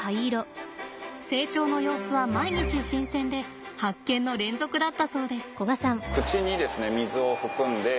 成長の様子は毎日新鮮で発見の連続だったそうです。